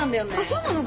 そうなの？